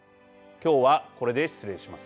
今日は、これで失礼します。